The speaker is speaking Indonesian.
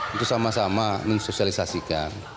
untuk sama sama mensosialisasikan